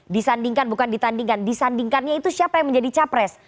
disandingkan bukan ditandingkan disandingkannya itu siapa yang menjadi capres